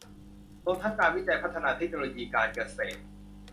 รวมทั้งการวิจัยพัฒนาเทคโนโลยีการเกษตร